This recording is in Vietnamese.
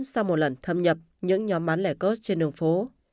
sau một lần thâm nhập những nhóm bán lẻ code trên đường phố